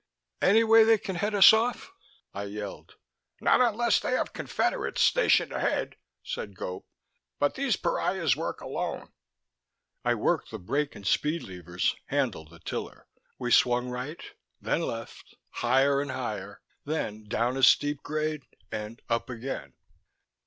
"Any way they can head us off?" I yelled. "Not unless they have confederates stationed ahead," said Gope, "but these pariahs work alone." I worked the brake and speed levers, handled the tiller. We swung right, then left, higher and higher, then down a steep grade and up again.